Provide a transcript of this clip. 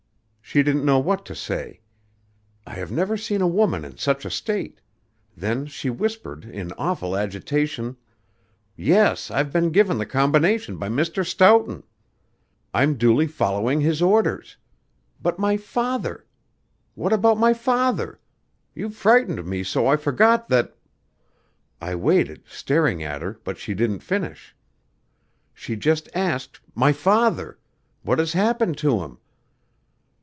She didn't know what to say. I have never seen a woman in such a state; then she whispered in awful agitation, 'Yes; I've been given the combination by Mr. Stoughton. I'm duly following his orders. But my father! What about my father? You frightened me so I forgot that ' I waited, staring at her, but she didn't finish. She just asked, 'My father? What has happened to him?'